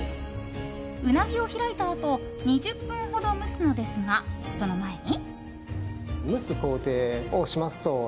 ウナギを開いたあと２０分ほど蒸すのですがその前に。